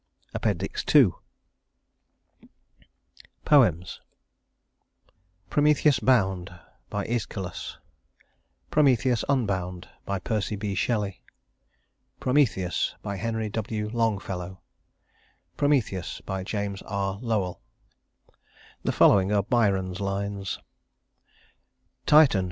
II Poems: Prometheus Bound ÆSCHYLUS Prometheus Unbound PERCY B. SHELLEY Prometheus HENRY W. LONGFELLOW Prometheus JAMES R LOWELL The following are Byron's lines: "Titan!